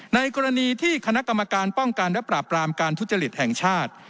ในกรณีที่คณะกรรมการปกปกทแห่งชาติ